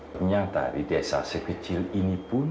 ternyata di desa sekecil ini pun